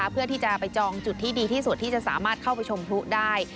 เพื่อที่จะไปจองจุดที่ดีที่สุดที่จะสามารถเข้าไปชมพลุได้